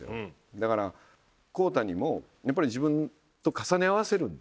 だから孝太にも自分と重ね合わせるんですよ